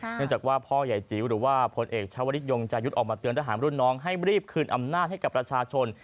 เนื่องจากว่าพ่อใหญ่จิ๋วหรือว่าพลเอกชาวริทยงจายุทธ์ออกมาเตือนทหารรุ่นน้องให้รีบคืนอำนาจให้กับประชาชน